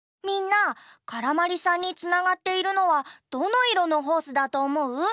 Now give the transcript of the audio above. みんなからまりさんにつながっているのはどのいろのホースだとおもう？